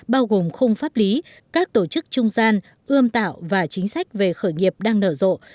bao gồm khung pháp lý các tổ chức trung gian ươm tạo và chính sách về khởi nghiệp đang nở rộ